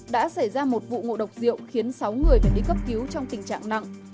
đã xảy ra một vụ ngộ độc rượu khiến sáu người phải đi cấp cứu trong tình trạng nặng